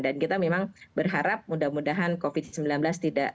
dan kita memang berharap mudah mudahan covid sembilan belas tidak